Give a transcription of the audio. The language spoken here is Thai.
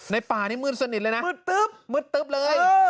ในป่านี้มืดสนิทเลยนะมืดตึบเลย